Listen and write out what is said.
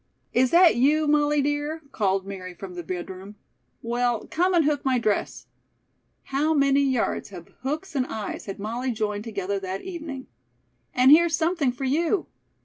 "Is that you, Molly, dear?" called Mary from the bedroom. "Well, come and hook my dress " how many yards of hooks and eyes had Molly joined together that evening! "And here's something for you.